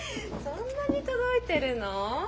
そんなに届いてるの？